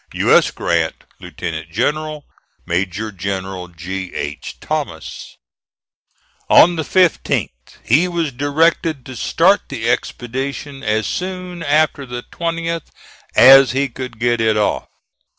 "U. S. GRANT, Lieutenant General. "MAJOR GENERAL G. H. THOMAS." On the 15th, he was directed to start the expedition as soon after the 20th as he could get it off.